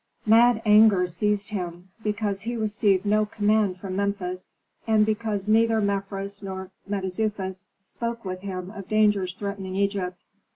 Mad anger seized him, because he received no command from Memphis, and because neither Mefres nor Mentezufis spoke with him of dangers threatening Egypt.